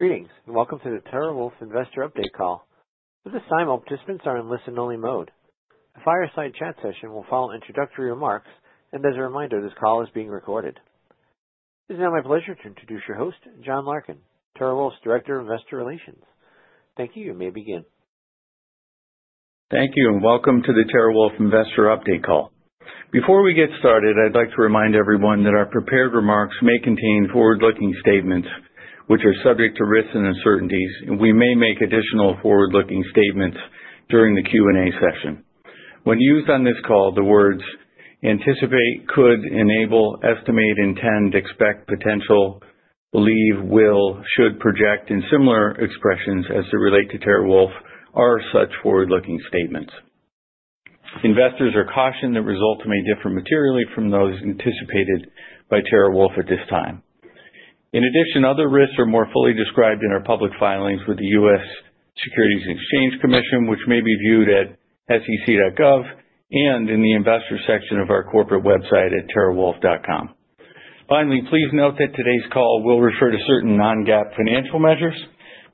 Greetings, and welcome to the TeraWulf Investor Update Call. At this time, all participants are in listen-only mode. The fireside chat session will follow introductory remarks, and as a reminder, this call is being recorded. It is now my pleasure to introduce your host, John Larkin, TeraWulf's Director of Investor Relations. Thank you, you may begin. Thank you, and welcome to the TeraWulf Investor Update Call. Before we get started, I'd like to remind everyone that our prepared remarks may contain forward-looking statements which are subject to risks and uncertainties, and we may make additional forward-looking statements during the Q&A session. When used on this call, the words anticipate, could, enable, estimate, intend, expect, potential, believe, will, should, project, and similar expressions as they relate to TeraWulf are such forward-looking statements. Investors are cautioned that results may differ materially from those anticipated by TeraWulf at this time. In addition, other risks are more fully described in our public filings with the U.S. Securities and Exchange Commission, which may be viewed at sec.gov and in the investor section of our corporate website at terawulf.com. Finally, please note that today's call will refer to certain non-GAAP financial measures.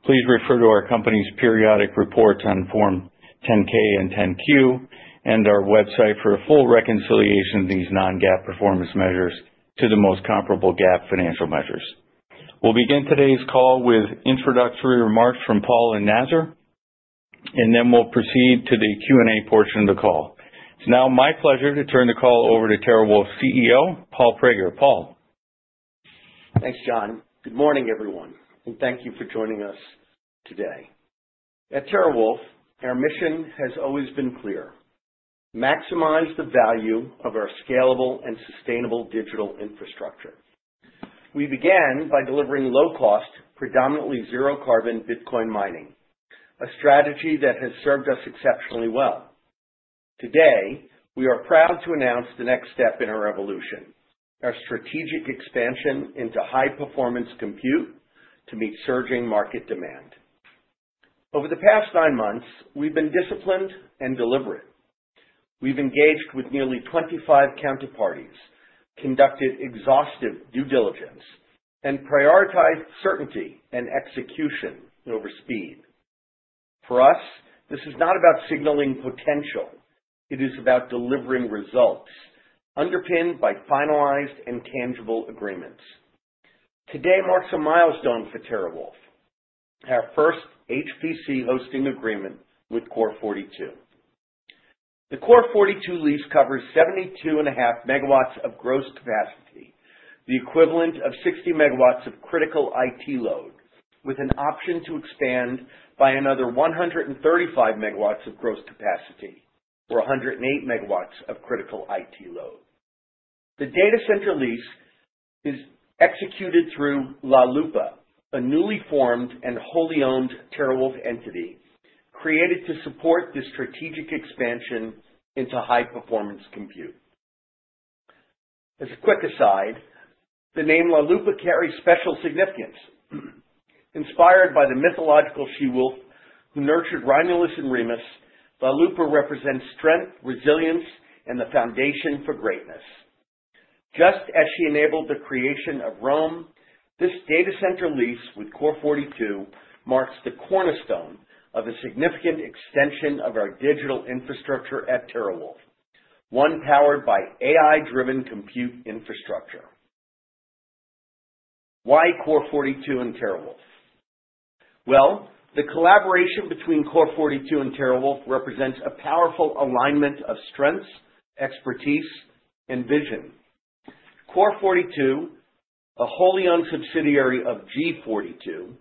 Please refer to our company's periodic reports on Form 10-K and Form 10-Q and our website for a full reconciliation of these non-GAAP performance measures to the most comparable GAAP financial measures. We'll begin today's call with introductory remarks from Paul and Nazar, and then we'll proceed to the Q&A portion of the call. It's now my pleasure to turn the call over to TeraWulf CEO, Paul Prager. Paul. Thanks, John. Good morning, everyone, and thank you for joining us today. At TeraWulf, our mission has always been clear: maximize the value of our scalable and sustainable digital infrastructure. We began by delivering low-cost, predominantly zero-carbon Bitcoin mining, a strategy that has served us exceptionally well. Today, we are proud to announce the next step in our evolution: our strategic expansion into high-performance compute to meet surging market demand. Over the past nine months, we've been disciplined and deliberate. We've engaged with nearly 25 counterparties, conducted exhaustive due diligence, and prioritized certainty and execution over speed. For us, this is not about signaling potential. It is about delivering results underpinned by finalized and tangible agreements. Today marks a milestone for TeraWulf: our first HPC hosting agreement with Core42. The Core42 lease covers 72.5 megawatts of gross capacity, the equivalent of 60 megawatts of critical IT load, with an option to expand by another 135 megawatts of gross capacity or 108 megawatts of critical IT load. The data center lease is executed through La Lupa, a newly formed and wholly owned TeraWulf entity created to support this strategic expansion into high-performance compute. As a quick aside, the name La Lupa carries special significance. Inspired by the mythological she-wolf who nurtured Romulus and Remus, La Lupa represents strength, resilience, and the foundation for greatness. Just as she enabled the creation of Rome, this data center lease with Core42 marks the cornerstone of a significant extension of our digital infrastructure at TeraWulf, one powered by AI-driven compute infrastructure. Why Core42 and TeraWulf? Well, the collaboration between Core42 and TeraWulf represents a powerful alignment of strengths, expertise, and vision. Core42, a wholly owned subsidiary of G42,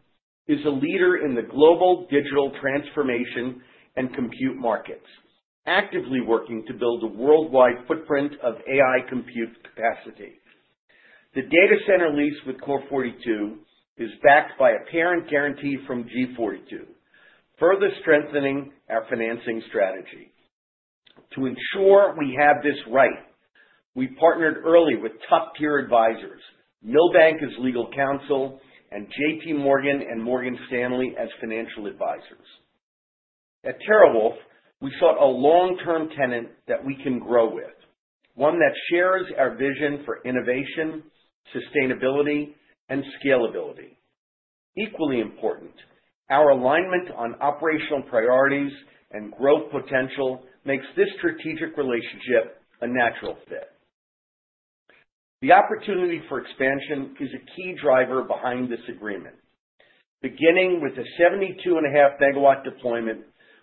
is a leader in the global digital transformation and compute markets, actively working to build a worldwide footprint of AI compute capacity. The data center lease with Core42 is backed by a parent guarantee from G42, further strengthening our financing strategy. To ensure we have this right, we partnered early with top-tier advisors: Milbank as legal counsel and J.P. Morgan and Morgan Stanley as financial advisors. At TeraWulf, we sought a long-term tenant that we can grow with, one that shares our vision for innovation, sustainability, and scalability. Equally important, our alignment on operational priorities and growth potential makes this strategic relationship a natural fit. The opportunity for expansion is a key driver behind this agreement. Beginning with a 72.5 megawatt deployment,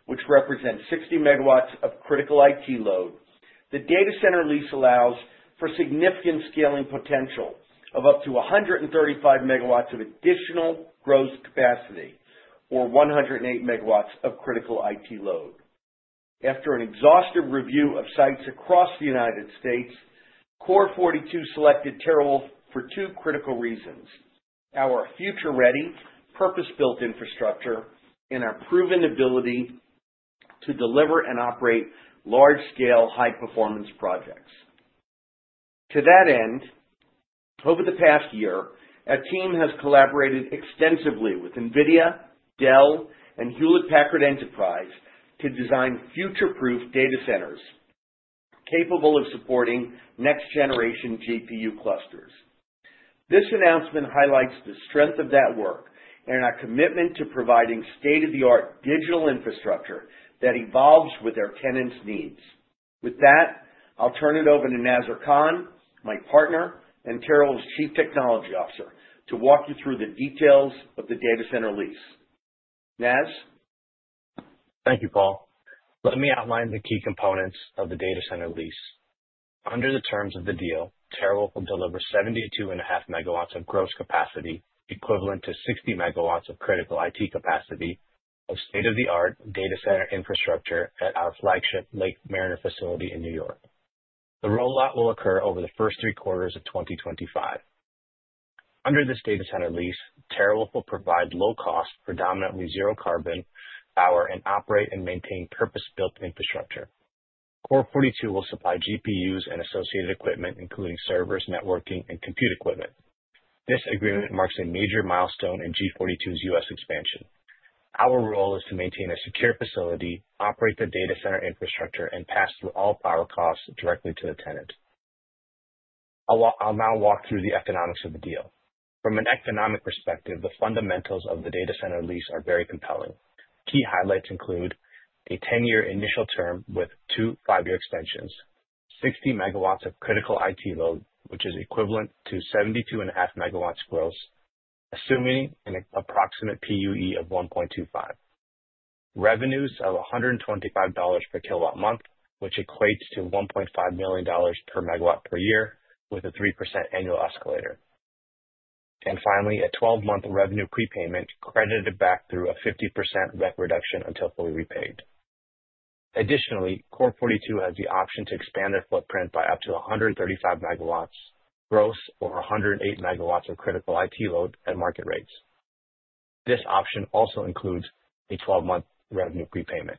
which represents 60 megawatts of critical IT load, the data center lease allows for significant scaling potential of up to 135 megawatts of additional gross capacity or 108 megawatts of critical IT load. After an exhaustive review of sites across the United States, Core42 selected TeraWulf for two critical reasons: our future-ready, purpose-built infrastructure and our proven ability to deliver and operate large-scale high-performance projects. To that end, over the past year, our team has collaborated extensively with NVIDIA, Dell, and Hewlett Packard Enterprise to design future-proof data centers capable of supporting next-generation GPU clusters. This announcement highlights the strength of that work and our commitment to providing state-of-the-art digital infrastructure that evolves with our tenants' needs. With that, I'll turn it over to Nazar Khan, my partner and TeraWulf's Chief Technology Officer, to walk you through the details of the data center lease. Naz? Thank you, Paul. Let me outline the key components of the data center lease. Under the terms of the deal, TeraWulf will deliver 72.5 MW of gross capacity equivalent to 60 MW of critical IT capacity of state-of-the-art data center infrastructure at our flagship Lake Mariner facility in New York. The rollout will occur over the first three quarters of 2025. Under this data center lease, TeraWulf will provide low-cost, predominantly zero-carbon power and operate and maintain purpose-built infrastructure. Core42 will supply GPUs and associated equipment, including servers, networking, and compute equipment. This agreement marks a major milestone in G42's U.S. expansion. Our role is to maintain a secure facility, operate the data center infrastructure, and pass through all power costs directly to the tenant. I'll now walk through the economics of the deal. From an economic perspective, the fundamentals of the data center lease are very compelling. Key highlights include a 10-year initial term with two 5-year extensions, 60MW of critical IT load, which is equivalent to 72.5 megawatts gross, assuming an approximate PUE of 1.25, revenues of $125 per kilowatt month, which equates to $1.5 million per megawatt per year with a 3% annual escalator, and finally, a 12-month revenue prepayment credited back through a 50% reduction until fully repaid. Additionally, Core42 has the option to expand their footprint by up to 135 megawatts gross or 108 megawatts of critical IT load at market rates. This option also includes a 12-month revenue prepayment.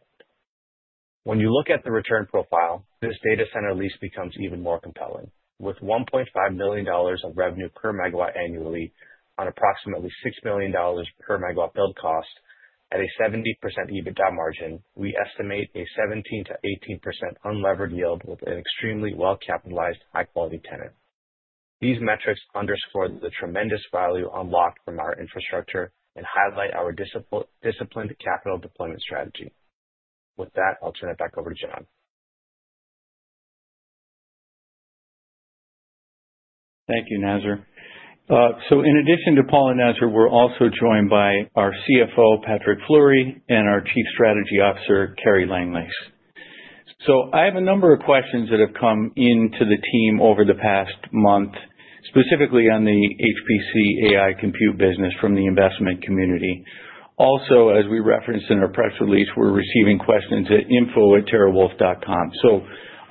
When you look at the return profile, this data center lease becomes even more compelling. With $1.5 million of revenue per megawatt annually on approximately $6 million per megawatt build cost at a 70% EBITDA margin, we estimate a 17%-18 unlevered yield with an extremely well-capitalized, high-quality tenant. These metrics underscore the tremendous value unlocked from our infrastructure and highlight our disciplined capital deployment strategy. With that, I'll turn it back over to John. Thank you, Nazar. So in addition to Paul and Nazar, we're also joined by our CFO, Patrick Fleury, and our Chief Strategy Officer, Kerri Langlais. So I have a number of questions that have come into the team over the past month, specifically on the HPC AI compute business from the investment community. Also, as we referenced in our press release, we're receiving questions at info@terawulf.com. So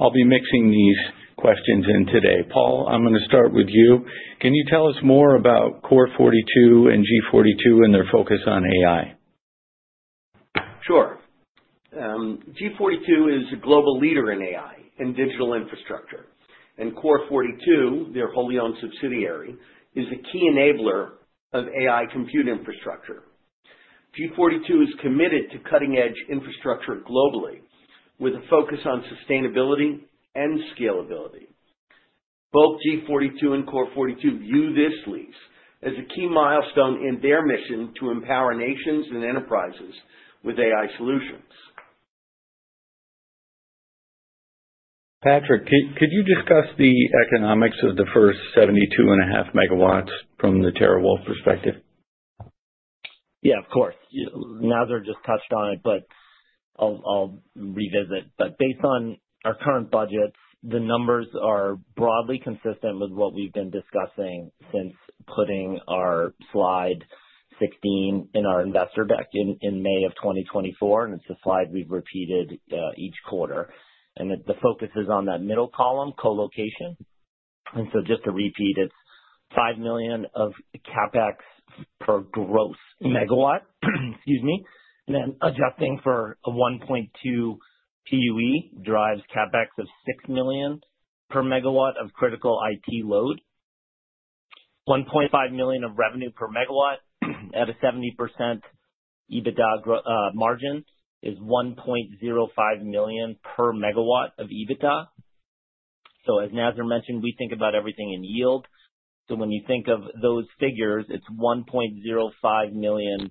I'll be mixing these questions in today. Paul, I'm going to start with you. Can you tell us more about Core42 and G42 and their focus on AI? Sure. G42 is a global leader in AI and digital infrastructure, and Core42, their wholly owned subsidiary, is a key enabler of AI compute infrastructure. G42 is committed to cutting-edge infrastructure globally with a focus on sustainability and scalability. Both G42 and Core42 view this lease as a key milestone in their mission to empower nations and enterprises with AI solutions. Patrick, could you discuss the economics of the first 72.5 megawatts from the TeraWulf perspective? Yeah, of course. Nazar just touched on it, but I'll revisit, but based on our current budgets, the numbers are broadly consistent with what we've been discussing since putting our slide 16 in our investor deck in May of 2024, and it's a slide we've repeated each quarter, and the focus is on that middle column, co-location, and so just to repeat, it's $5 million of CapEx per gross megawatt, excuse me, and then adjusting for a 1.2 PUE drives CapEx of $6 million per megawatt of critical IT load. $1.5 million of revenue per megawatt at a 70% EBITDA margin is $1.05 million per megawatt of EBITDA, so as Nazar mentioned, we think about everything in yield. When you think of those figures, it's $1.05 million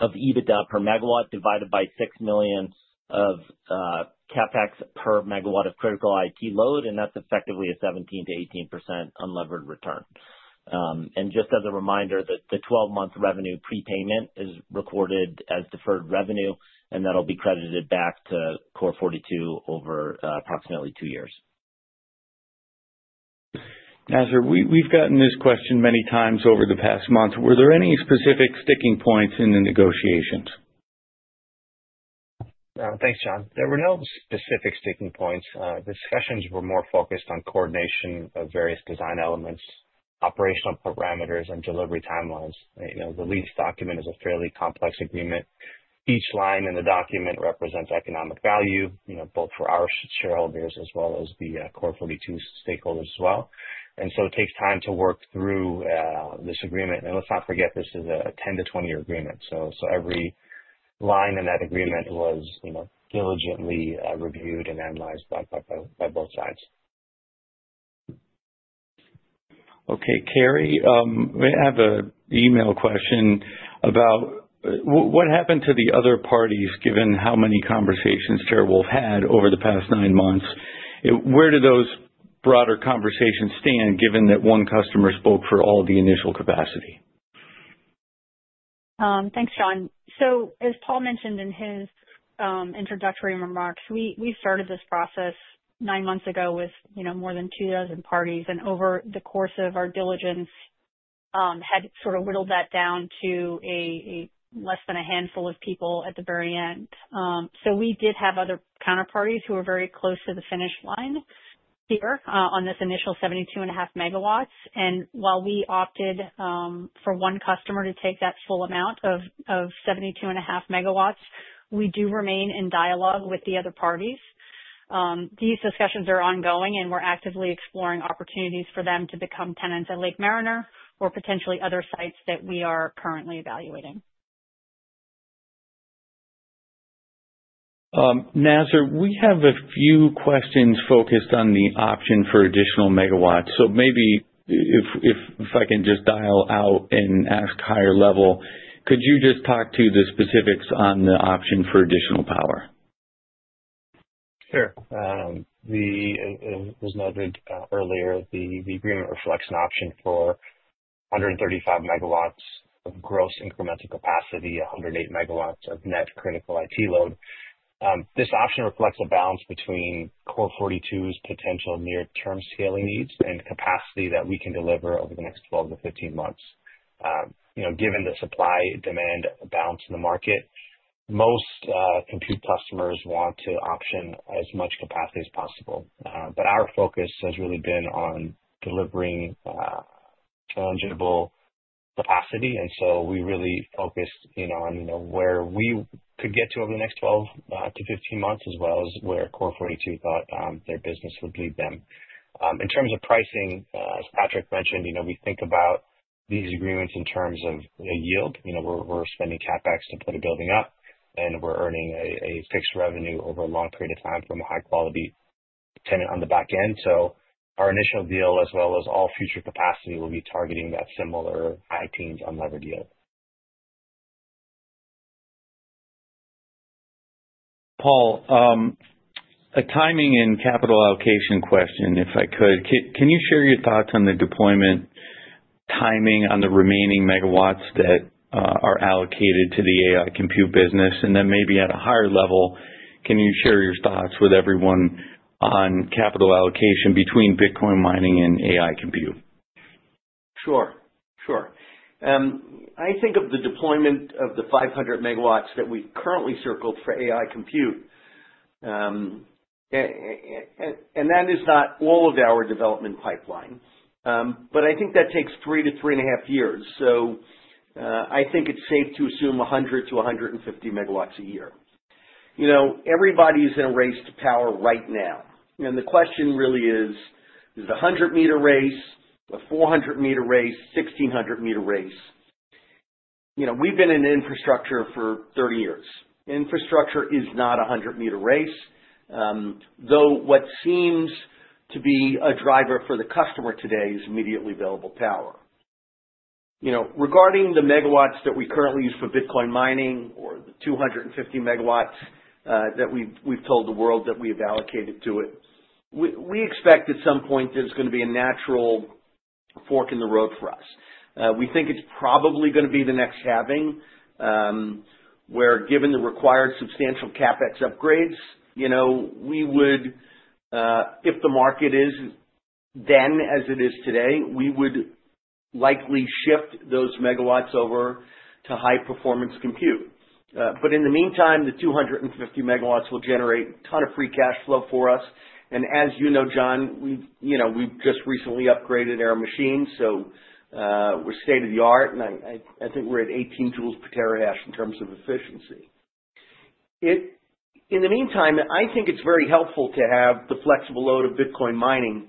of EBITDA per megawatt divided by $6 million of CapEx per megawatt of critical IT load, and that's effectively a 17% to 18 unlevered return. Just as a reminder, the 12-month revenue prepayment is recorded as deferred revenue, and that'll be credited back to Core42 over approximately two years. Nazar, we've gotten this question many times over the past month. Were there any specific sticking points in the negotiations? Thanks, John. There were no specific sticking points. The discussions were more focused on coordination of various design elements, operational parameters, and delivery timelines. The lease document is a fairly complex agreement. Each line in the document represents economic value, both for our shareholders as well as the Core42 stakeholders as well. And so it takes time to work through this agreement. And let's not forget, this is a 10-20-year agreement. So every line in that agreement was diligently reviewed and analyzed by both sides. Okay, Kerri, we have an email question about what happened to the other parties given how many conversations TeraWulf had over the past nine months. Where do those broader conversations stand given that one customer spoke for all the initial capacity? Thanks, John. So as Paul mentioned in his introductory remarks, we started this process nine months ago with more than 2,000 parties, and over the course of our diligence, had sort of whittled that down to less than a handful of people at the very end. So we did have other counterparties who were very close to the finish line here on this initial 72.5 MW. And while we opted for one customer to take that full amount of 72.5 MW, we do remain in dialogue with the other parties. These discussions are ongoing, and we're actively exploring opportunities for them to become tenants at Lake Mariner or potentially other sites that we are currently evaluating. Nazar, we have a few questions focused on the option for additional megawatts. So maybe if I can just dial out and ask higher level, could you just talk to the specifics on the option for additional power? Sure. As noted earlier, the agreement reflects an option for 135 megawatts of gross incremental capacity, 108 MW of net critical IT load. This option reflects a balance between Core42's potential near-term scaling needs and capacity that we can deliver over the next 12-15 months. Given the supply-demand balance in the market, most compute customers want to option as much capacity as possible. But our focus has really been on delivering tangible capacity, and so we really focused on where we could get to over the next 12-15 months as well as where Core42 thought their business would lead them. In terms of pricing, as Patrick mentioned, we think about these agreements in terms of yield. We're spending CapEx to put a building up, and we're earning a fixed revenue over a long period of time from a high-quality tenant on the back end. So our initial deal, as well as all future capacity, will be targeting that similar 19 unlevered yield. Paul, a timing and capital allocation question, if I could. Can you share your thoughts on the deployment timing on the remaining megawatts that are allocated to the AI compute business? And then maybe at a higher level, can you share your thoughts with everyone on capital allocation between Bitcoin mining and AI compute? Sure. Sure. I think of the deployment of the 500 MW that we've currently circled for AI compute, and that is not all of our development pipeline. But I think that takes three to three and a half years. So I think it's safe to assume 100 to 150 MW a year. Everybody is in a race to power right now. And the question really is, is it a 100-meter race, a 400-meter race, 1,600-meter race? We've been in infrastructure for 30 years. Infrastructure is not a 100-meter race, though what seems to be a driver for the customer today is immediately available power. Regarding the megawatts that we currently use for Bitcoin mining or the 250 MW that we've told the world that we have allocated to it, we expect at some point there's going to be a natural fork in the road for us. We think it's probably going to be the next halving, where given the required substantial CapEx upgrades, we would, if the market is then as it is today, we would likely shift those megawatts over to high-performance compute. But in the meantime, the 250 MW will generate a ton of free cash flow for us. And as you know, John, we've just recently upgraded our machines, so we're state-of-the-art, and I think we're at 18 joules per terahash in terms of efficiency. In the meantime, I think it's very helpful to have the flexible load of Bitcoin mining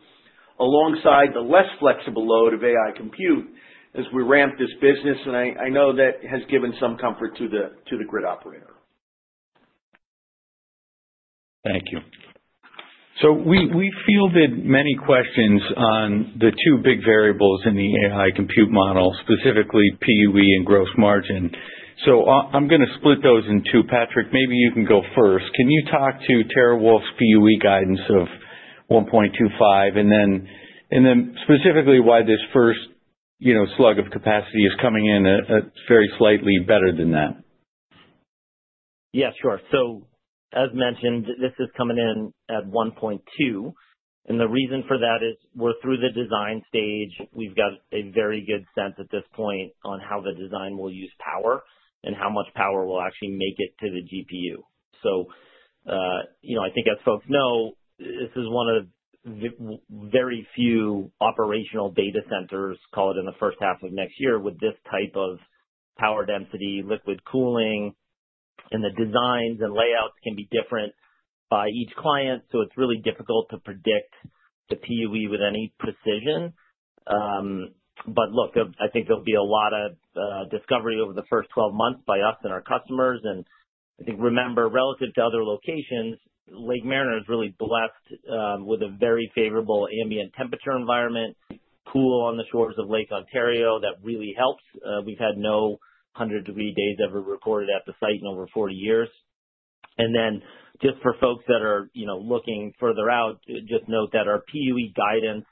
alongside the less flexible load of AI compute as we ramp this business, and I know that has given some comfort to the grid operator. Thank you. So we fielded many questions on the two big variables in the AI compute model, specifically PUE and gross margin. So I'm going to split those in two. Patrick, maybe you can go first. Can you talk to TeraWulf's PUE guidance of 1.25 and then specifically why this first slug of capacity is coming in very slightly better than that? Yeah, sure. So as mentioned, this is coming in at 1.2, and the reason for that is we're through the design stage. We've got a very good sense at this point on how the design will use power and how much power will actually make it to the GPU. So I think as folks know, this is one of very few operational data centers, call it in the first half of next year, with this type of power density, liquid cooling, and the designs and layouts can be different by each client. So it's really difficult to predict the PUE with any precision. But look, I think there'll be a lot of discovery over the first 12 months by us and our customers. And I think, remember, relative to other locations, Lake Mariner is really blessed with a very favorable ambient temperature environment. Pool on the shores of Lake Ontario, that really helps. We've had no 100-degree days ever recorded at the site in over 40 years, and then just for folks that are looking further out, just note that our PUE guidance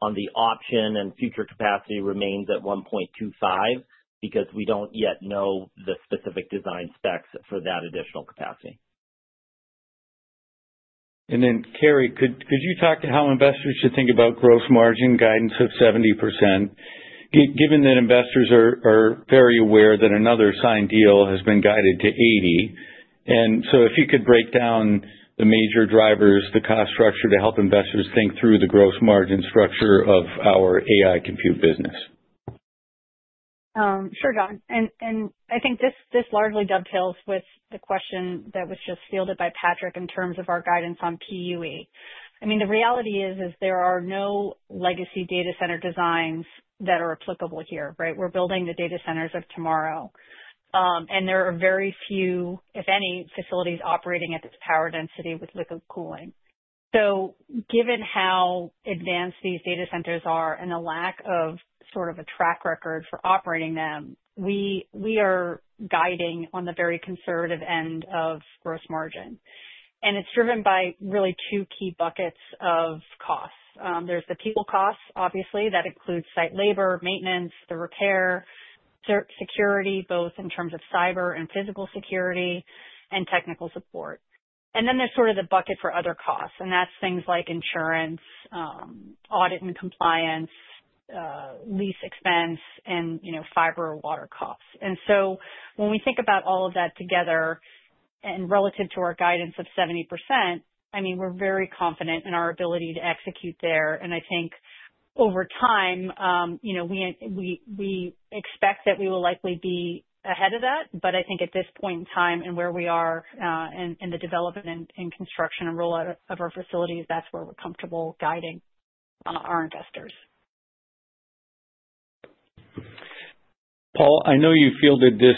on the option and future capacity remains at 1.25 because we don't yet know the specific design specs for that additional capacity. And then, Kerri, could you talk to how investors should think about gross margin guidance of 70%, given that investors are very aware that another signed deal has been guided to 80%? And so if you could break down the major drivers, the cost structure to help investors think through the gross margin structure of our AI compute business. Sure, John, and I think this largely dovetails with the question that was just fielded by Patrick in terms of our guidance on PUE. I mean, the reality is there are no legacy data center designs that are applicable here, right? We're building the data centers of tomorrow, and there are very few, if any, facilities operating at this power density with liquid cooling, so given how advanced these data centers are and the lack of sort of a track record for operating them, we are guiding on the very conservative end of gross margin, and it's driven by really two key buckets of costs. There's the people costs, obviously, that includes site labor, maintenance, the repair, security, both in terms of cyber and physical security, and technical support. And then there's sort of the bucket for other costs, and that's things like insurance, audit and compliance, lease expense, and fiber or water costs. And so when we think about all of that together and relative to our guidance of 70%, I mean, we're very confident in our ability to execute there. And I think over time, we expect that we will likely be ahead of that. But I think at this point in time and where we are in the development and construction and rollout of our facilities, that's where we're comfortable guiding our investors. Paul, I know you fielded this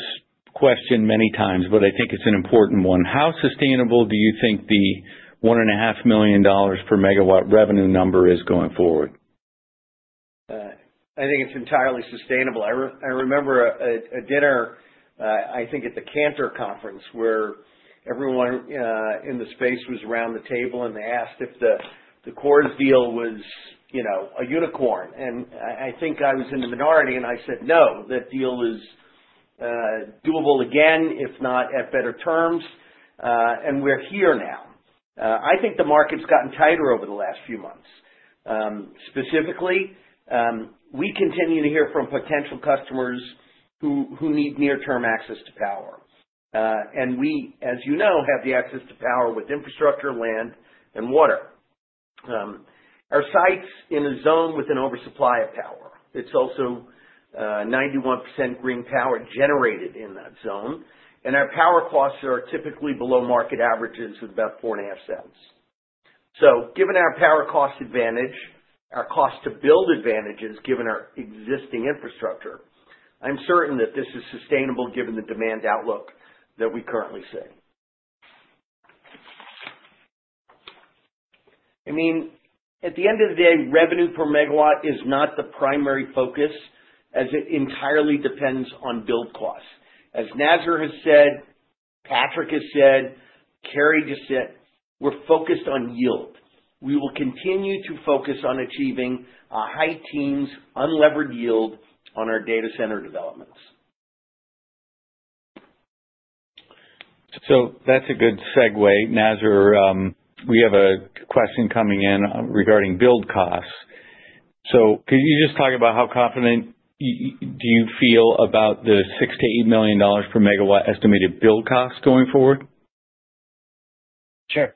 question many times, but I think it's an important one. How sustainable do you think the $1.5 million per megawatt revenue number is going forward? I think it's entirely sustainable. I remember a dinner, I think at the Cantor Conference, where everyone in the space was around the table, and they asked if the CoreWeave deal was a unicorn. And I think I was in the minority, and I said, "No, that deal is doable again, if not at better terms, and we're here now." I think the market's gotten tighter over the last few months. Specifically, we continue to hear from potential customers who need near-term access to power. And we, as you know, have the access to power with infrastructure, land, and water. Our sites are in a zone with an oversupply of power. It's also 91% green power generated in that zone. And our power costs are typically below market averages of about $0.045. So given our power cost advantage, our cost-to-build advantages given our existing infrastructure, I'm certain that this is sustainable given the demand outlook that we currently see. I mean, at the end of the day, revenue per megawatt is not the primary focus, as it entirely depends on build costs. As Nazar has said, Patrick has said, Kerri just said, we're focused on yield. We will continue to focus on achieving high-teens, unlevered yield on our data center developments. That's a good segue. Nazar, we have a question coming in regarding build costs. Could you just talk about how confident do you feel about the $6-8 million per megawatt estimated build costs going forward? Sure.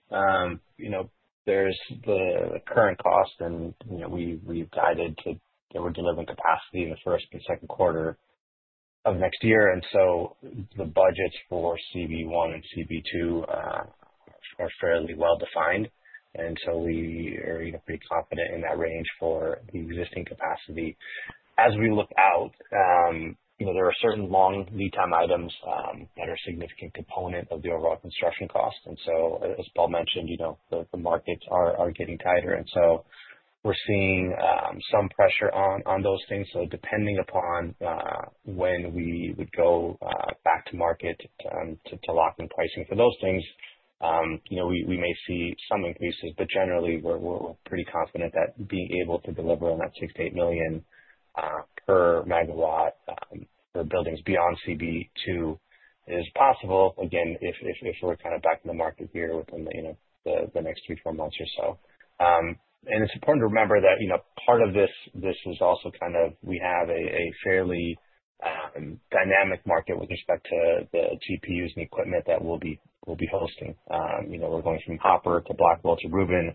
There's the current cost, and we've guided to we're delivering capacity in the first and second quarter of next year. And so the budgets for CB1 and CB2 are fairly well-defined. And so we are pretty confident in that range for the existing capacity. As we look out, there are certain long lead-time items that are a significant component of the overall construction cost. And so, as Paul mentioned, the markets are getting tighter. And so we're seeing some pressure on those things. So depending upon when we would go back to market to lock in pricing for those things, we may see some increases. But generally, we're pretty confident that being able to deliver on that $6 to 8 million per megawatt for buildings beyond CB2 is possible, again, if we're kind of back in the market here within the next three, four months or so. It's important to remember that part of this is also kind of we have a fairly dynamic market with respect to the GPUs and equipment that we'll be hosting. We're going from Hopper to Blackwell to Rubin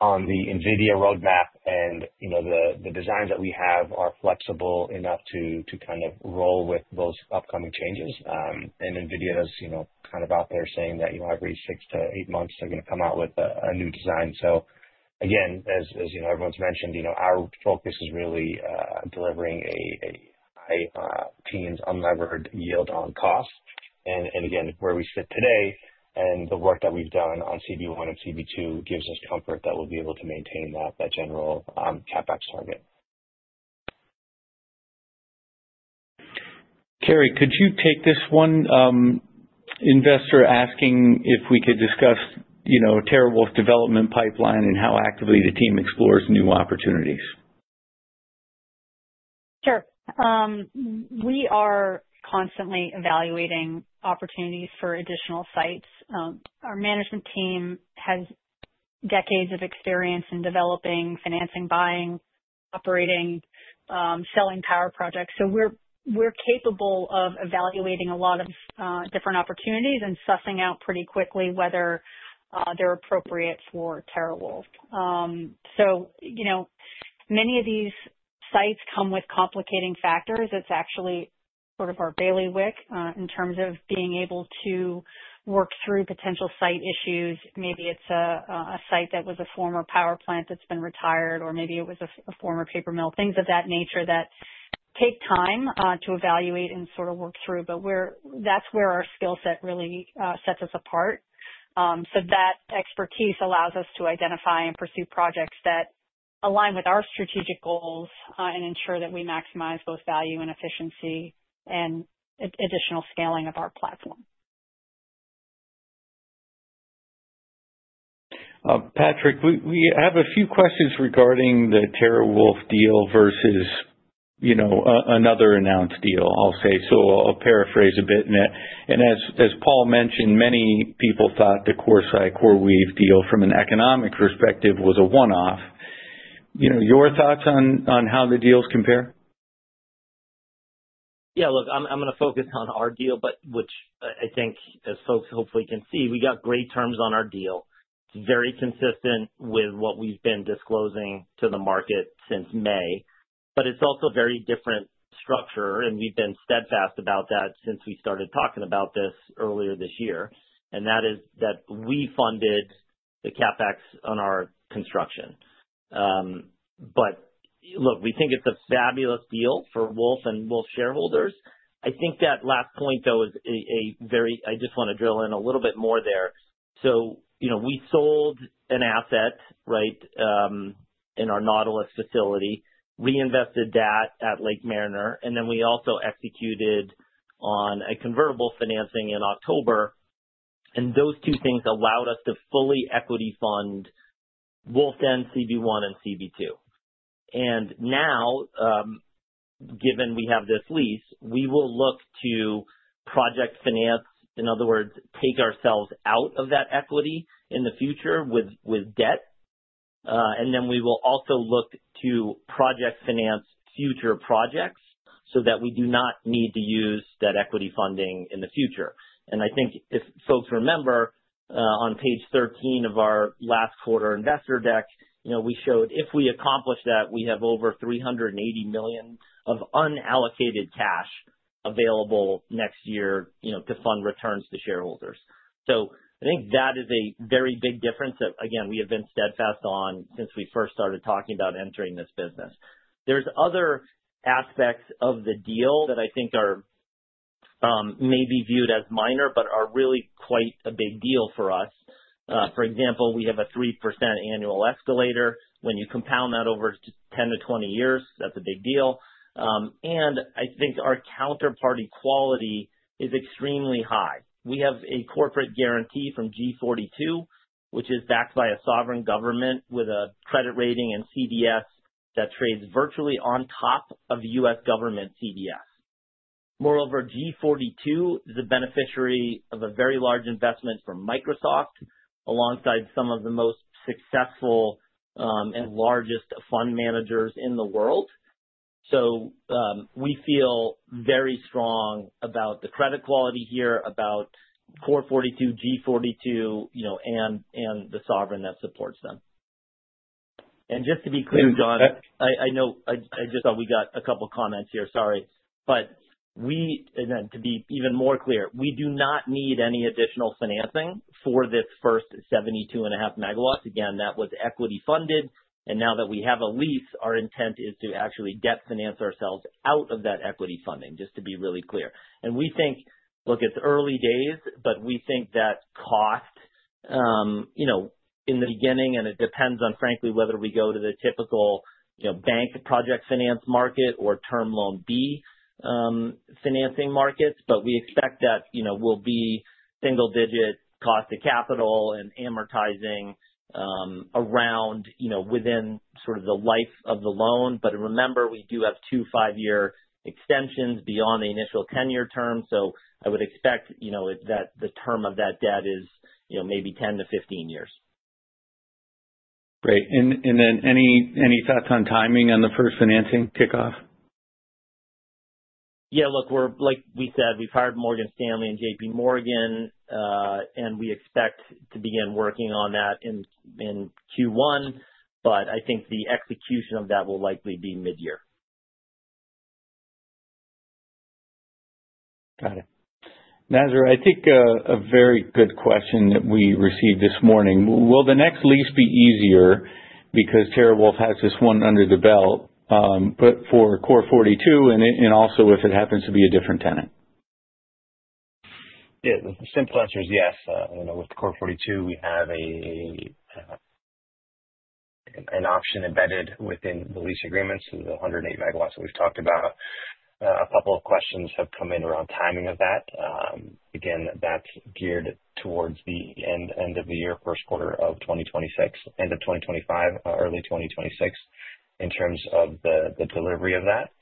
on the NVIDIA roadmap. The designs that we have are flexible enough to kind of roll with those upcoming changes. NVIDIA is kind of out there saying that every six to eight months, they're going to come out with a new design. Again, as everyone's mentioned, our focus is really delivering a high-teens, unlevered yield on cost. Again, where we sit today and the work that we've done on CB1 and CB2 gives us comfort that we'll be able to maintain that general CapEx target. Kerri, could you take this one? Investor asking if we could discuss TeraWulf's development pipeline and how actively the team explores new opportunities? Sure. We are constantly evaluating opportunities for additional sites. Our management team has decades of experience in developing, financing, buying, operating, selling power projects. So we're capable of evaluating a lot of different opportunities and sussing out pretty quickly whether they're appropriate for TeraWulf. So many of these sites come with complicating factors. It's actually sort of our bailiwick in terms of being able to work through potential site issues. Maybe it's a site that was a former power plant that's been retired, or maybe it was a former paper mill, things of that nature that take time to evaluate and sort of work through. But that's where our skill set really sets us apart. So that expertise allows us to identify and pursue projects that align with our strategic goals and ensure that we maximize both value and efficiency and additional scaling of our platform. Patrick, we have a few questions regarding the TeraWulf deal versus another announced deal, I'll say. So I'll paraphrase a bit. As Paul mentioned, many people thought the CoreSite, CoreWeave deal from an economic perspective was a one-off. Your thoughts on how the deals compare? Yeah, look, I'm going to focus on our deal, which I think, as folks hopefully can see, we got great terms on our deal. It's very consistent with what we've been disclosing to the market since May. But it's also a very different structure, and we've been steadfast about that since we started talking about this earlier this year. And that is that we funded the CapEx on our construction. But look, we think it's a fabulous deal for Wulf and Wulf shareholders. I think that last point, though, I just want to drill in a little bit more there. So we sold an asset, right, in our Nautilus facility, reinvested that at Lake Mariner, and then we also executed on a convertible financing in October. And those two things allowed us to fully equity fund Wulf then, CB1, and CB2. Now, given we have this lease, we will look to project finance, in other words, take ourselves out of that equity in the future with debt. Then we will also look to project finance future projects so that we do not need to use that equity funding in the future. I think if folks remember, on page 13 of our last quarter investor deck, we showed if we accomplish that, we have over $380 million of unallocated cash available next year to fund returns to shareholders. I think that is a very big difference that, again, we have been steadfast on since we first started talking about entering this business. There are other aspects of the deal that I think are maybe viewed as minor but are really quite a big deal for us. For example, we have a 3% annual escalator. When you compound that over 10-20 years, that's a big deal, and I think our counterparty quality is extremely high. We have a corporate guarantee from G42, which is backed by a sovereign government with a credit rating and CDS that trades virtually on top of U.S. government CDS. Moreover, G42 is a beneficiary of a very large investment from Microsoft alongside some of the most successful and largest fund managers in the world, so we feel very strong about the credit quality here, about Core42, G42, and the sovereign that supports them, and just to be clear, John, I know I just thought we got a couple of comments here. Sorry, but to be even more clear, we do not need any additional financing for this first 72.5 megawatts. Again, that was equity funded. Now that we have a lease, our intent is to actually debt finance ourselves out of that equity funding, just to be really clear. We think, look, it's early days, but we think that cost in the beginning, and it depends on, frankly, whether we go to the typical bank project finance market or Term Loan B financing markets. We expect that will be single-digit cost of capital and amortizing around within sort of the life of the loan. Remember, we do have two five-year extensions beyond the initial ten-year term. I would expect that the term of that debt is maybe 10 to 15 years. Great. And then any thoughts on timing on the first financing kickoff? Yeah, look, like we said, we've hired Morgan Stanley and J.P. Morgan, and we expect to begin working on that in Q1. But I think the execution of that will likely be mid-year. Got it. Nazar, I think a very good question that we received this morning. Will the next lease be easier because TeraWulf has this one under the belt for Core42 and also if it happens to be a different tenant? Yeah, the simple answer is yes. With Core42, we have an option embedded within the lease agreements, the 108 megawatts that we've talked about. A couple of questions have come in around timing of that. Again, that's geared towards the end of the year, first quarter of 2026, end of 2025, early 2026, in terms of the delivery of that.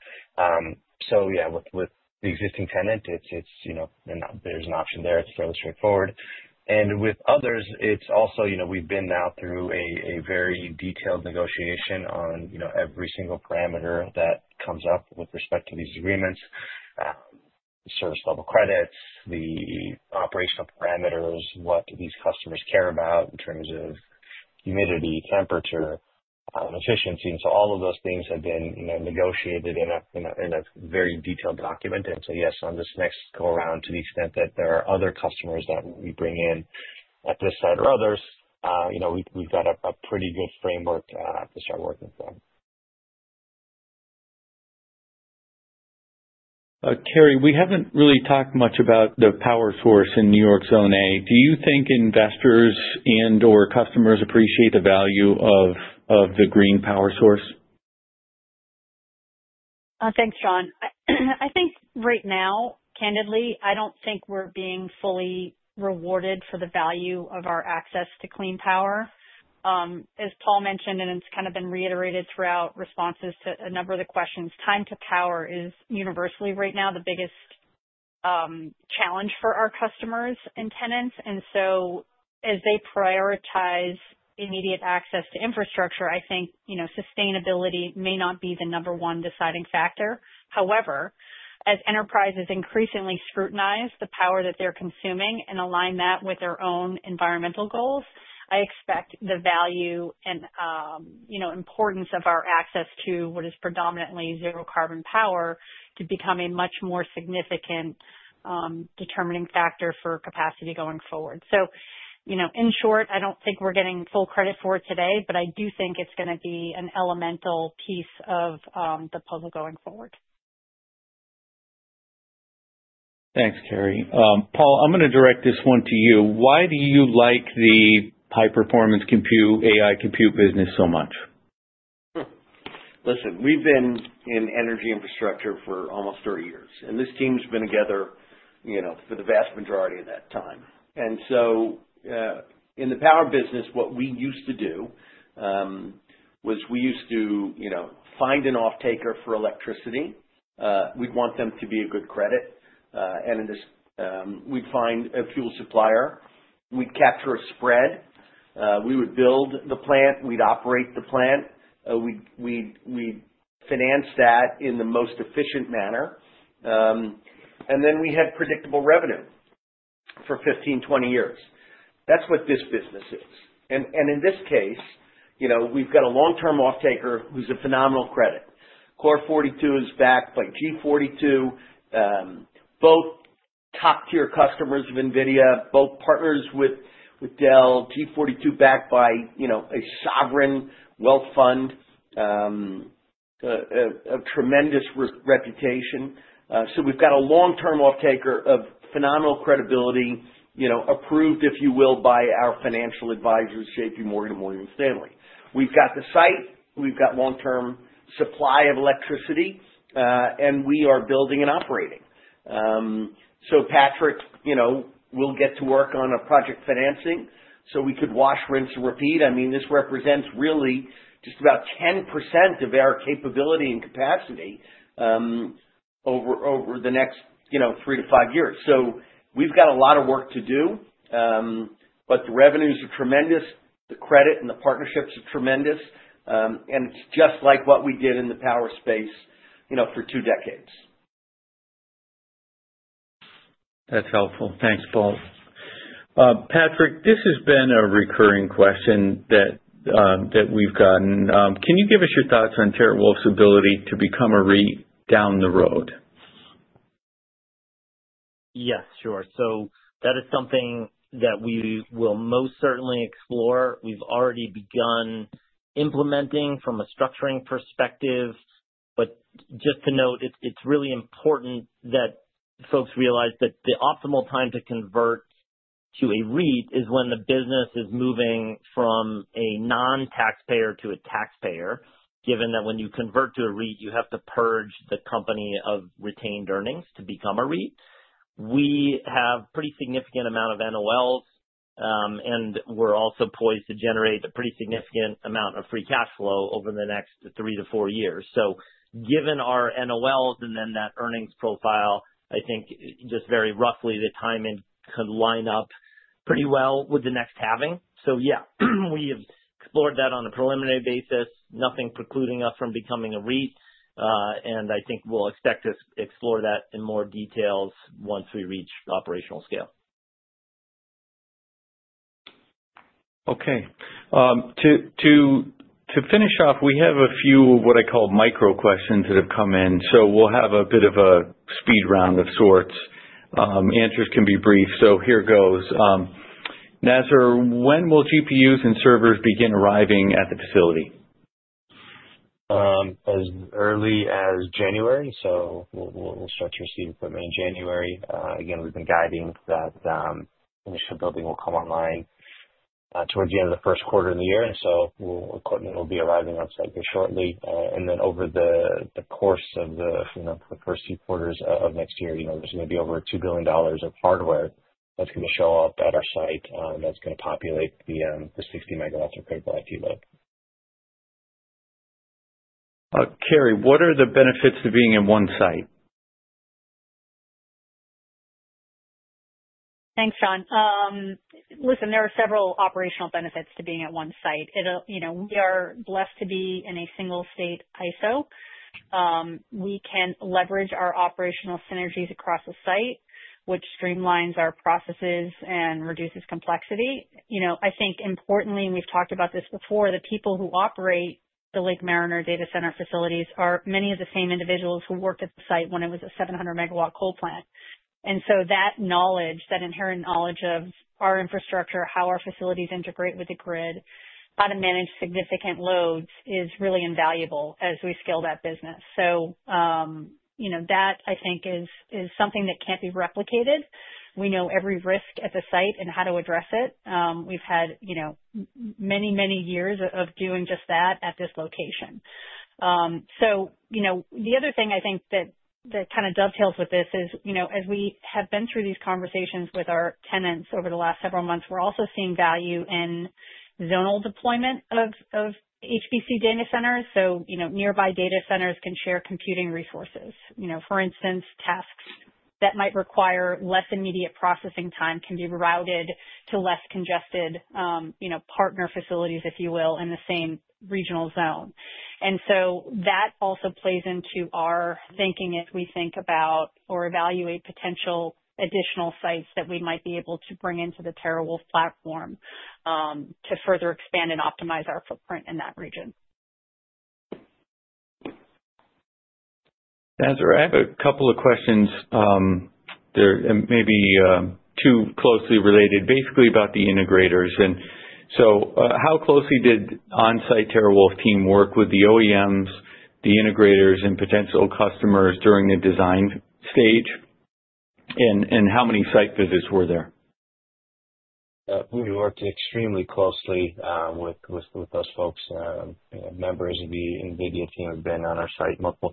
So yeah, with the existing tenant, there's an option there. It's fairly straightforward. And with others, it's also we've been now through a very detailed negotiation on every single parameter that comes up with respect to these agreements: service level credits, the operational parameters, what these customers care about in terms of humidity, temperature, efficiency. And so all of those things have been negotiated in a very detailed document. Yes, on this next go-around, to the extent that there are other customers that we bring in at this site or others, we've got a pretty good framework to start working from. Kerri, we haven't really talked much about the power source in New York Zone A. Do you think investors and/or customers appreciate the value of the green power source? Thanks, John. I think right now, candidly, I don't think we're being fully rewarded for the value of our access to clean power. As Paul mentioned, and it's kind of been reiterated throughout responses to a number of the questions, time to power is universally right now the biggest challenge for our customers and tenants, and so as they prioritize immediate access to infrastructure, I think sustainability may not be the number one deciding factor. However, as enterprises increasingly scrutinize the power that they're consuming and align that with their own environmental goals, I expect the value and importance of our access to what is predominantly zero-carbon power to become a much more significant determining factor for capacity going forward, so in short, I don't think we're getting full credit for it today, but I do think it's going to be an elemental piece of the puzzle going forward. Thanks, Kerri. Paul, I'm going to direct this one to you. Why do you like the high-performance AI compute business so much? Listen, we've been in energy infrastructure for almost 30 years, and this team's been together for the vast majority of that time, and so in the power business, what we used to do was we used to find an off-taker for electricity. We'd want them to be a good credit, and we'd find a fuel supplier. We'd capture a spread. We would build the plant. We'd operate the plant. We'd finance that in the most efficient manner, and then we had predictable revenue for 15-20 years. That's what this business is, and in this case, we've got a long-term off-taker who's a phenomenal credit. Core42 is backed by G42, both top-tier customers of NVIDIA, both partners with Dell, G42 backed by a sovereign wealth fund, a tremendous reputation. So we've got a long-term off-taker of phenomenal credibility, approved, if you will, by our financial advisors, J.P. Morgan and Morgan Stanley. We've got the site. We've got long-term supply of electricity. And we are building and operating. So Patrick, we'll get to work on a project financing so we could wash, rinse, and repeat. I mean, this represents really just about 10% of our capability and capacity over the next three to five years. So we've got a lot of work to do, but the revenues are tremendous. The credit and the partnerships are tremendous. And it's just like what we did in the power space for two decades. That's helpful. Thanks, Paul. Patrick, this has been a recurring question that we've gotten. Can you give us your thoughts on TeraWulf's ability to become a REIT down the road? Yes, sure. So that is something that we will most certainly explore. We've already begun implementing from a structuring perspective. But just to note, it's really important that folks realize that the optimal time to convert to a REIT is when the business is moving from a non-taxpayer to a taxpayer, given that when you convert to a REIT, you have to purge the company of retained earnings to become a REIT. We have a pretty significant amount of NOLs, and we're also poised to generate a pretty significant amount of free cash flow over the next three to four years. So given our NOLs and then that earnings profile, I think just very roughly the timing could line up pretty well with the next halving. So yeah, we have explored that on a preliminary basis. Nothing precluding us from becoming a REIT. I think we'll expect to explore that in more details once we reach operational scale. Okay. To finish off, we have a few of what I call micro questions that have come in. So we'll have a bit of a speed round of sorts. Answers can be brief. So here goes. Nazar, when will GPUs and servers begin arriving at the facility? As early as January. So we'll start to receive equipment in January. Again, we've been guiding that initial building will come online towards the end of the first quarter of the year. And so equipment will be arriving on site very shortly. And then over the course of the first two quarters of next year, there's going to be over $2 billion of hardware that's going to show up at our site that's going to populate the 60 MW of critical IT load. Kerri, what are the benefits of being in one site? Thanks, John. Listen, there are several operational benefits to being at one site. We are blessed to be in a single-state ISO. We can leverage our operational synergies across the site, which streamlines our processes and reduces complexity. I think importantly, and we've talked about this before, the people who operate the Lake Mariner data center facilities are many of the same individuals who worked at the site when it was a 700 megawatt coal plant. And so that knowledge, that inherent knowledge of our infrastructure, how our facilities integrate with the grid, how to manage significant loads is really invaluable as we scale that business. So that, I think, is something that can't be replicated. We know every risk at the site and how to address it. We've had many, many years of doing just that at this location. So the other thing I think that kind of dovetails with this is, as we have been through these conversations with our tenants over the last several months, we're also seeing value in zonal deployment of HPC data centers. So nearby data centers can share computing resources. For instance, tasks that might require less immediate processing time can be routed to less congested partner facilities, if you will, in the same regional zone. And so that also plays into our thinking as we think about or evaluate potential additional sites that we might be able to bring into the TeraWulf platform to further expand and optimize our footprint in that region. Nazar, I have a couple of questions there, maybe two closely related, basically about the integrators. And so how closely did the on-site TeraWulf team work with the OEMs, the integrators, and potential customers during the design stage? And how many site visits were there? We worked extremely closely with those folks. Members of the NVIDIA team have been on our site multiple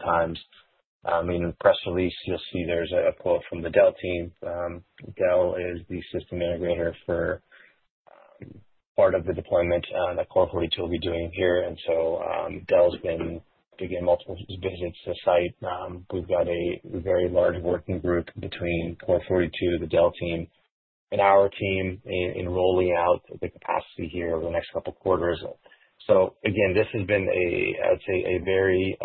times. In the press release, you'll see there's a quote from the Dell team. Dell is the system integrator for part of the deployment that Core42 will be doing here, and so Dell's been getting multiple visits to the site. We've got a very large working group between Core42, the Dell team, and our team in rolling out the capacity here over the next couple of quarters, so again, this has been, I'd say, a very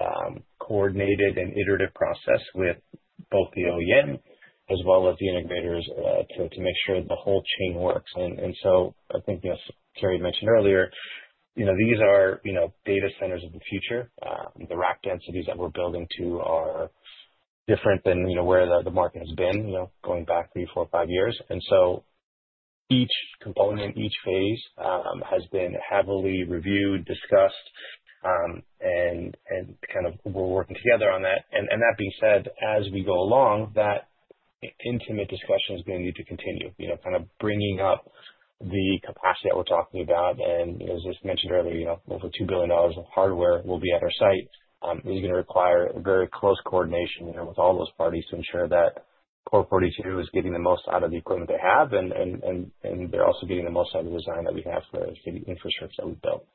coordinated and iterative process with both the OEM as well as the integrators to make sure the whole chain works, and so I think, as Kerri mentioned earlier, these are data centers of the future. The rack densities that we're building to are different than where the market has been going back three, four, five years. And so each component, each phase has been heavily reviewed, discussed, and kind of we're working together on that. And that being said, as we go along, that intimate discussion is going to need to continue, kind of bringing up the capacity that we're talking about. And as mentioned earlier, over $2 billion of hardware will be at our site. It's going to require very close coordination with all those parties to ensure that Core42 is getting the most out of the equipment they have, and they're also getting the most out of the design that we have for the infrastructure that we've built.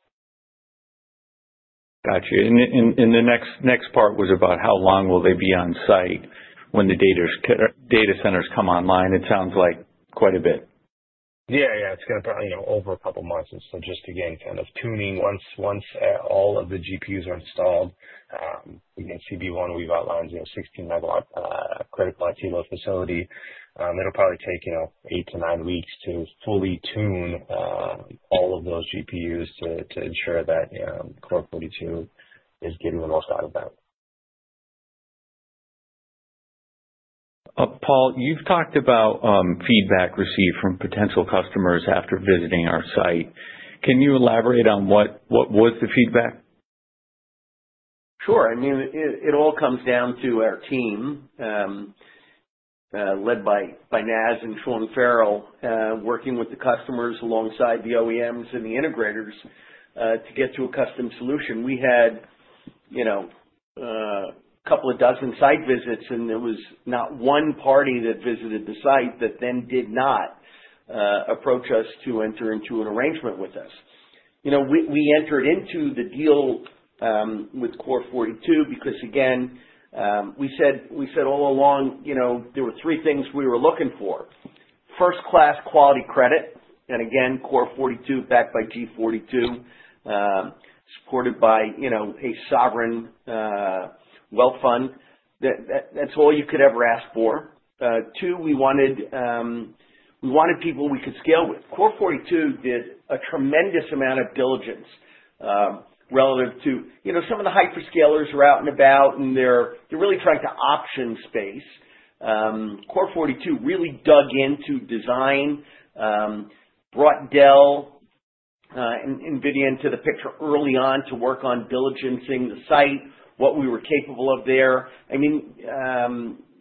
Gotcha, and the next part was about how long will they be on site when the data centers come online. It sounds like quite a bit. Yeah, yeah. It's going to probably be over a couple of months. And so just, again, kind of tuning once all of the GPUs are installed. Again, CB1, we've outlined a 16-megawatt critical IT load facility. It'll probably take eight-to-nine weeks to fully tune all of those GPUs to ensure that Core42 is getting the most out of them. Paul, you've talked about feedback received from potential customers after visiting our site. Can you elaborate on what was the feedback? Sure. I mean, it all comes down to our team led by Naz and Sean Farrell, working with the customers alongside the OEMs and the integrators to get to a custom solution. We had a couple of dozen site visits, and there was not one party that visited the site that then did not approach us to enter into an arrangement with us. We entered into the deal with Core42 because, again, we said all along there were three things we were looking for: first-class quality credit, and again, Core42 backed by G42, supported by a sovereign wealth fund. That's all you could ever ask for. Two, we wanted people we could scale with. Core42 did a tremendous amount of diligence relative to some of the hyperscalers are out and about, and they're really trying to option space. Core42 really dug into design, brought Dell and NVIDIA into the picture early on to work on diligencing the site, what we were capable of there. I mean,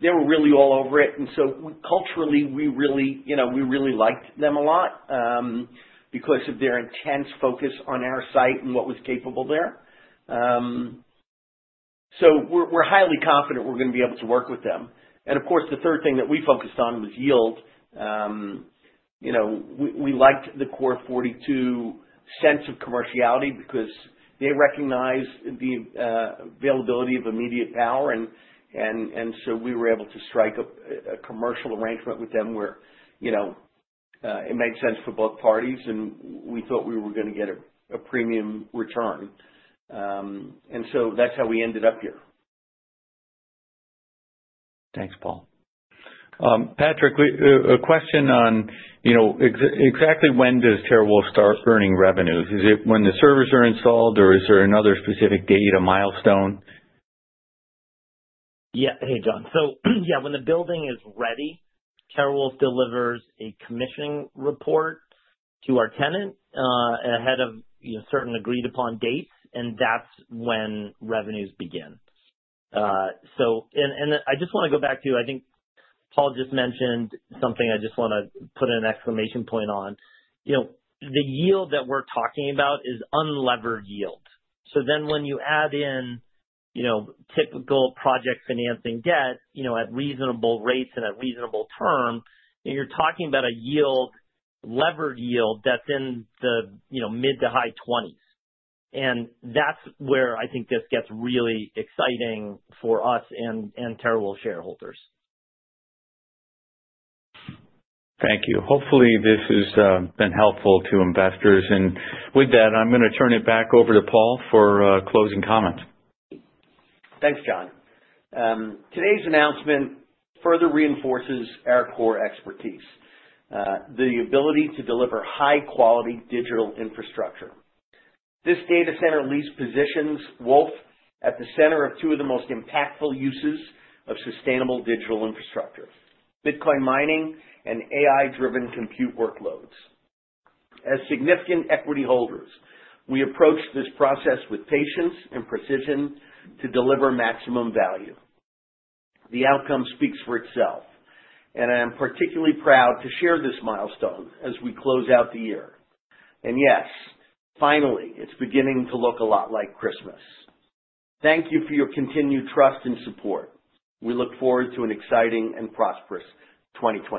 they were really all over it. And so culturally, we really liked them a lot because of their intense focus on our site and what was capable there. So we're highly confident we're going to be able to work with them. And of course, the third thing that we focused on was yield. We liked the Core42 sense of commerciality because they recognized the availability of immediate power. And so we were able to strike a commercial arrangement with them where it made sense for both parties, and we thought we were going to get a premium return. And so that's how we ended up here. Thanks, Paul. Patrick, a question on exactly when does TeraWulf start earning revenues? Is it when the servers are installed, or is there another specific date or milestone? Yeah. Hey, John. So yeah, when the building is ready, TeraWulf delivers a commissioning report to our tenant ahead of certain agreed-upon dates, and that's when revenues begin. And I just want to go back to, I think Paul just mentioned something I just want to put an exclamation point on. The yield that we're talking about is unlevered yield. So then when you add in typical project financing debt at reasonable rates and at reasonable term, you're talking about a yield, levered yield that's in the mid to high 20s. And that's where I think this gets really exciting for us and TeraWulf shareholders. Thank you. Hopefully, this has been helpful to investors. And with that, I'm going to turn it back over to Paul for closing comments. Thanks, John. Today's announcement further reinforces our core expertise: the ability to deliver high-quality digital infrastructure. This data center deal positions Wulf at the center of two of the most impactful uses of sustainable digital infrastructure: Bitcoin mining and AI-driven compute workloads. As significant equity holders, we approach this process with patience and precision to deliver maximum value. The outcome speaks for itself, and I am particularly proud to share this milestone as we close out the year. And yes, finally, it's beginning to look a lot like Christmas. Thank you for your continued trust and support. We look forward to an exciting and prosperous 2020.